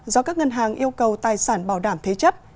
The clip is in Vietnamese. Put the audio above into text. do các ngân hàng yêu cầu tài sản bảo đảm thế chấp